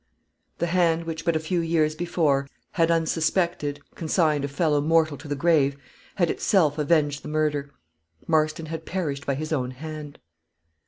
The hand which, but a few years before, had, unsuspected, consigned a fellow mortal to the grave, had itself avenged the murder Marston had perished by his own hand.